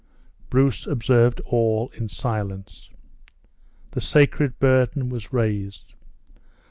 Bruce observed all in silence. The sacred burden was raised.